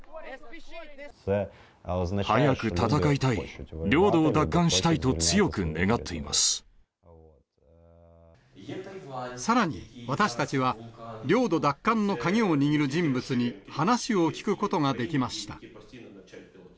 早く戦いたい、領土を奪還しさらに、私たちは領土奪還の鍵を握る人物に話を聞くことができました。